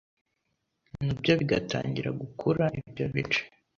nabyo bigatangira gukura ibyo bice.